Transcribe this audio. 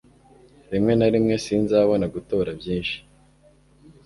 rimwe na rimwe, sinzabona gutora byinshi